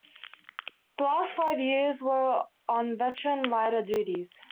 The last five years were on veteran lighter duties.